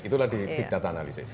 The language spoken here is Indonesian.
itulah di big data analisis